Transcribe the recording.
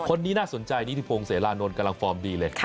คนนี้น่าสนใจนิติพงศ์เสรานนท์กำลังฟอร์มดีเลย